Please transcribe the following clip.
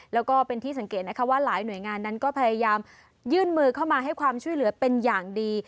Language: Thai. แล้วก็เป็นที่สังเกตนะคะว่าหลายหน่วยงานนั้นก็พยายามยื่นมือเข้ามาให้ความช่วยเหลือเป็นอย่างดี